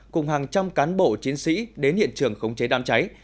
cùng hàng trăm cán bộ chiến sĩ đến hiện trường khống chế đám cháy